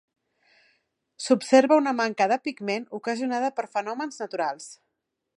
S'observa una manca de pigment ocasionada per fenòmens naturals.